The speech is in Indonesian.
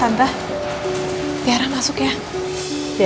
tentang pengawasan radit